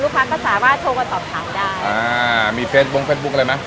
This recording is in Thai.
ลูกค้าก็สามารถโชว์กับตอบถามได้อ่ามีเฟซบุ๊คเฟซบุ๊คอะไรไหม